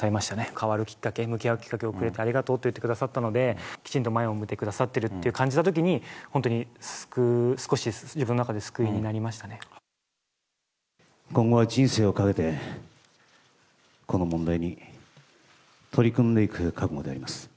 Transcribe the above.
変わるきっかけ、向き合うきっかけをくださってありがとうと言ってくださったので、きちんと前を向いてくださってると感じたときに本当に少し、今後は人生を懸けてこの問題に取り組んでいく覚悟であります。